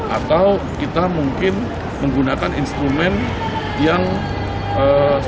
atau kita mungkin menggunakan instrumen yang selain dari sbi